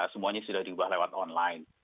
semuanya sudah diubah lewat online